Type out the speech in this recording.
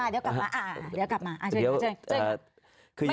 เดี๋ยวกลับมาช่วย